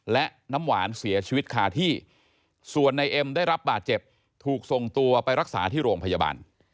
และน้ำหวานเสียชีวิตคาที่ส่วนในเอ็มได้รับบาดเจ็บถูกส่งตัวไปรักษาที่โรงพยาบาล